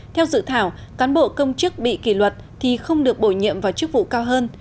theo dự thảo cán bộ công chức bị kỷ luật thì không được bổ nhiệm vào chức vụ cao hơn